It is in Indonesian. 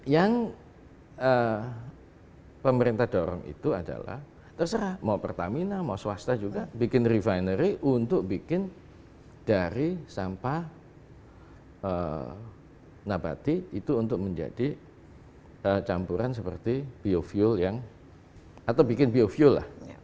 yang pemerintah dorong itu adalah terserah mau pertamina mau swasta juga bikin refinery untuk bikin dari sampah nabati itu untuk menjadi campuran seperti biofuel yang atau bikin biofuel lah